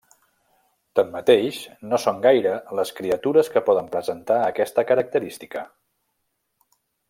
Tanmateix, no són gaire les criatures que poden presentar aquesta característica.